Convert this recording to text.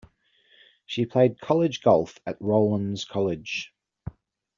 She played college golf at Rollins College.